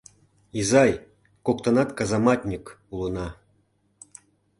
Изай, коктынат казаматньык улына!..